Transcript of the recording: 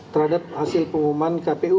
terhadap hasil pengumuman kpu